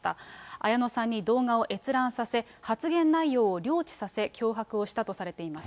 綾野さんに動画を閲覧させ、発言内容を了知させ、脅迫をしたとされています。